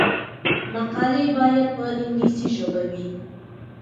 مقالې باید په انګلیسي ژبه وي.